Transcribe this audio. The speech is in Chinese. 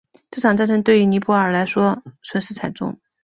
这场战争对于尼泊尔来说损失惨重。